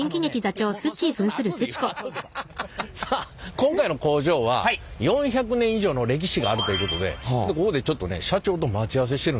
さあ今回の工場は４００年以上の歴史があるということでここでちょっとね社長と待ち合わせしてるんですよ。